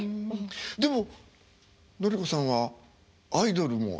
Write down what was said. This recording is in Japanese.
でものり子さんはアイドルもやってたよね。